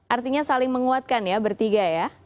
artinya saling menguatkan ya bertiga ya